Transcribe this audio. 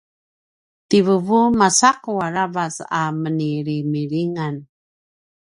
ti vuvu macaqu aravac a menilimilingan